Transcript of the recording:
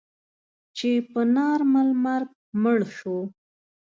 چې په نارمل مرګ مړ شو.